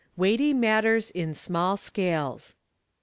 WEIGHTY MATTERS IN SMALL SCALES.